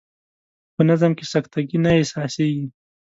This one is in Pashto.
په نظم کې سکته ګي نه احساسیږي.